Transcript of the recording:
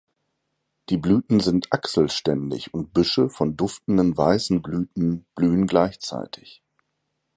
Die Blüten sind achselständig und Büsche von duftenden weißen Blüten blühen gleichzeitig.